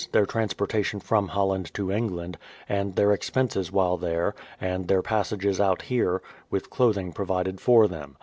their trans portation from Holland to England, and their expenses while there, and their passages out here, with clothing pro vided for them.